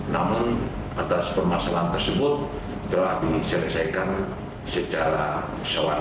namun atas permasalahan tersebut telah diselesaikan secara musyawarah